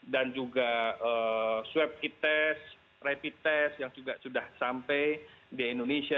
dan juga swap kit tes rapid tes yang juga sudah sampai di indonesia